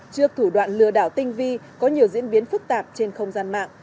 trước thủ đoạn lừa đảo tinh vi có nhiều diễn biến phức tạp trên không gian mạng